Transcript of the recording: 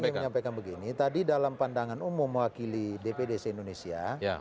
saya menyampaikan begini tadi dalam pandangan umum mewakili dpd se indonesia